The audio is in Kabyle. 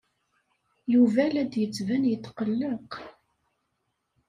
Yuba la d-yettban yetqelleq.